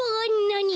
なに？